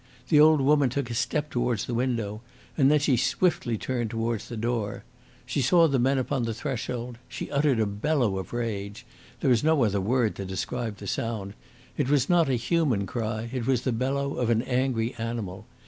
The old woman took a step towards the window, and then she swiftly turned towards the door. She saw the men upon the threshold. She uttered a bellow of rage. There is no other word to describe the sound. It was not a human cry; it was the bellow of an angry animal.